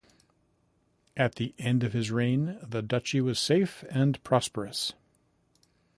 At the end of his reign the duchy was safe and prosperous.